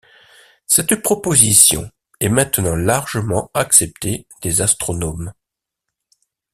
Cette proposition est maintenant largement acceptée des astronomes.